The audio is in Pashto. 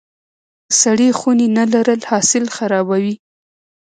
سړې خونې نه لرل حاصل خرابوي.